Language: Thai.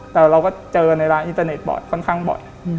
แต่เราก็เจอในร้านอินเตอร์เน็ตบอร์ดค่อนข้างบ่อย